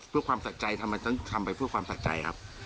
เพื่อความสักใจทำว่าฉันทำไปเพื่อความสักใจครับ